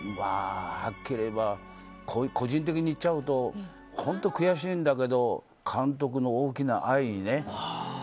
はっきり言えば個人的に言っちゃうと本当に悔しいんだけど監督の大きな愛ね。